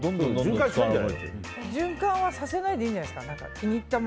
循環はさせないでいいんじゃないんですか。